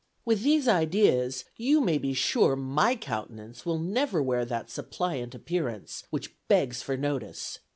With these ideas, you may be sure my countenance will never wear that suppliant appearance, which begs for notice.